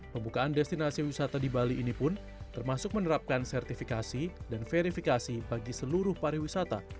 pembukaan destinasi wisata di bali ini pun termasuk menerapkan sertifikasi dan verifikasi bagi seluruh pariwisata